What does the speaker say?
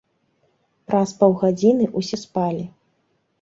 Праз паўгадзіны ўсе спалі.